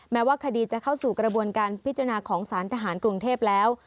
แม้ว่าคดีจะเข้าสู่กระบวนการพิจารณาของสารทหารกรุงเทพแล้ว